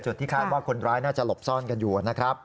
ที่คาดว่าคนร้ายน่าจะหลบซ่อนกันอยู่นะครับ